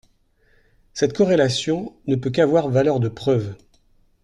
Cette corrélation ne peut qu’avoir valeur de preuve.